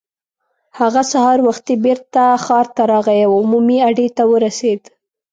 هغه سهار وختي بېرته ښار ته راغی او عمومي اډې ته ورسېد.